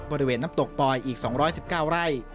บริเวณน้ำตกปลอยอีก๒๑๙ไร่